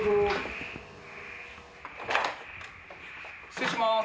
失礼します。